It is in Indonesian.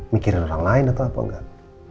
mikirin orang lain atau apa enggak